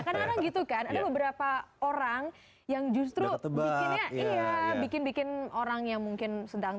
karena gitu kan ada beberapa orang yang justru tebak bikin bikin orang yang mungkin sedang